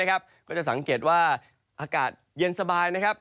ก็จะสังเกตว่าอากาศเย็นสบาย